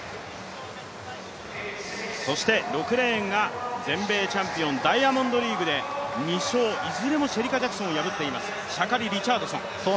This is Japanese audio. そして６レーンが全米チャンピオン、ダイヤモンドリーグで２勝、いずれもシェリカ・ジャクソンを破っています、シャカリ・リチャードソン。